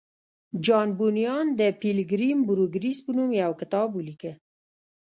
جان بونیان د پیلګریم پروګریس په نوم یو کتاب ولیکه